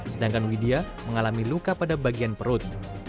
sedangkan widya mengalami luka pada bagian perut